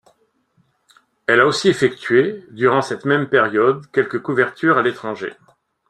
Elle a aussi effectué, durant cette même période, quelques couvertures à l'étranger.